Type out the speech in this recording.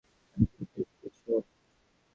তার সাথে শুয়েছ?